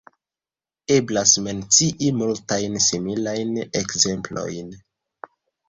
Eblas mencii multajn similajn ekzemplojn.